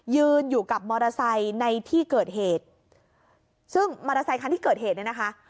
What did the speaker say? ยืนอยู่กับมอเตอร์ไซค์ในที่เกิดเหตุซึ่งมอเตอร์ไซคันที่เกิดเหตุเนี่ยนะคะ